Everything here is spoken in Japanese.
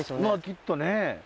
きっとね。